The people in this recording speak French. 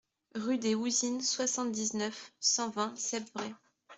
Rue des Ouzines, soixante-dix-neuf, cent vingt Sepvret